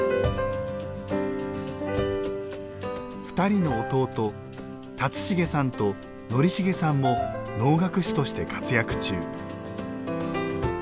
２人の弟、竜成さんと徳成さんも能楽師として活躍中。